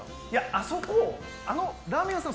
あそこ、あのラーメン屋さん